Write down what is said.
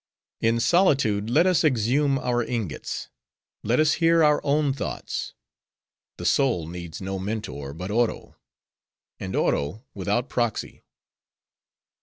"'In solitude, let us exhume our ingots. Let us hear our own thoughts. The soul needs no mentor, but Oro; and Oro, without proxy.